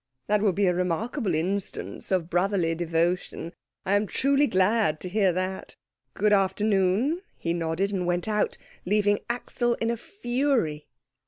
That will be a remarkable instance of brotherly devotion. I am truly glad to hear that. Good afternoon," he nodded; and went out, leaving Axel in a fury.